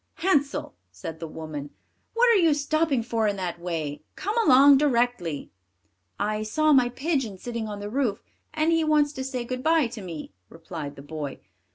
"Hansel," said the woman, "what are you stopping for in that way? Come along directly." "I saw my pigeon sitting on the roof, and he wants to say good bye to me," replied the boy.